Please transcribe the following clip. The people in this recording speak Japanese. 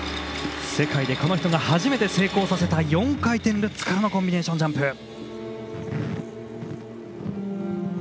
世界で、この人が初めて成功させた４回転ルッツからのコンビネーションジャンプ。